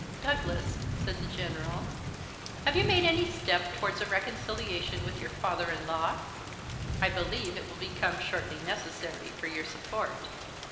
"Douglas," said the General, "have you made any step towards a reconciliation with your father in law? I believe it will become shortly necessary for your support."